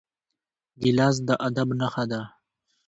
ګیلاس د ادب نښه ده.